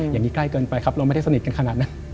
อย่างนี้ใกล้เกินไปครับเราไม่ได้สนิทกันขนาดนั้น